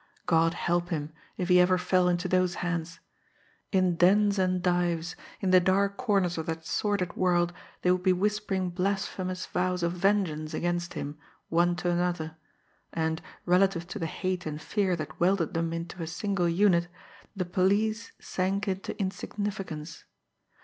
God help him if he ever fell into those hands! In dens and dives, in the dark corners of that sordid world, they would be whispering blasphemous vows of vengeance against him one to another and, relative to the hate and fear that welded them into a single unit, the police sank into insignificance.